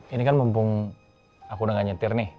ini kan mumpung aku udah gak nyetir nih